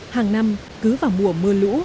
hàng năm cứ vào mùa mưa lũ